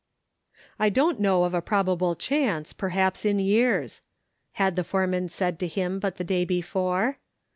" I don't know of a probable chance, perhaps in years," had the foreman said to him but the day before.